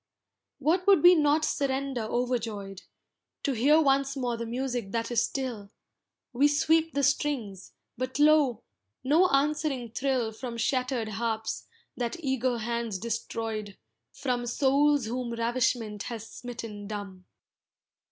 What would we not surrender overjoyed, To hear once more the music that is still; We sweep the strings, but lo! no answering thrill From shattered harps, that eager hands destroyed, From souls whom ravishment has smitten dumb.